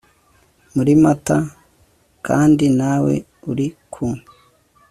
muri mata kandi nawe ari ku